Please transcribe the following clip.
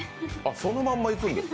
そのままいくんですか？